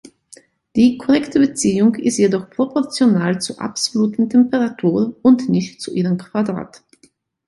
Die korrekte Beziehung ist jedoch proportional zur absoluten Temperatur und nicht zu ihrem Quadrat.